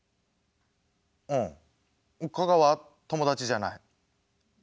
うん加賀は友達じゃない。